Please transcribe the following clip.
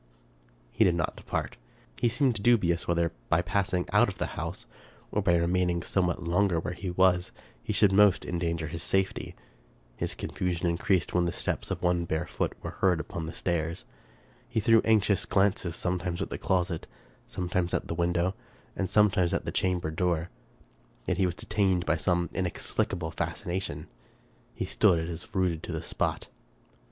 He did not depart. He seemed dubious whether by pass ing out of the house, or by remaining somewhat longer where he was, he should most endanger his safety. His confusion increased when steps of one barefoot were heard upon the stairs. He threw anxious glances sometimes at the closet, sometimes at the window, and sometimes at the chamber door; yet he was detained by some inexplicable fascination. He stood as if rooted to the spot.